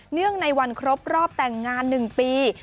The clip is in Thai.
เนื่องในวันครบรอบแต่งงาน๑ปี